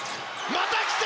またきた！